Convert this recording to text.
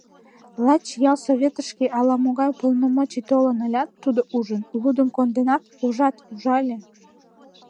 Лач ялсоветышке ала-могай уполномоченный толын ылят, тудо ужын: «Лудым конденат, ужат, ужале!»